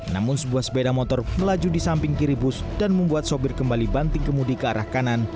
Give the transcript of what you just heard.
namun sebuah sepeda motor melaju di samping kiri bus dan membuat sopir kembali banting kemudi ke arah kanan